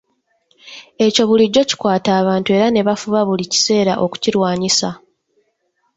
Ekyo bulijjo kikwata abantu era ne bafuba buli kiseera okukirwanyisa.